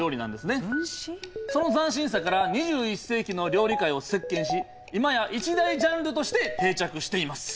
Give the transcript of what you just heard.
その斬新さから２１世紀の料理界を席巻し今や一大ジャンルとして定着しています。